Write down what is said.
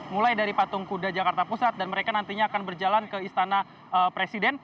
mulai dari patung kuda jakarta pusat dan mereka nantinya akan berjalan ke istana presiden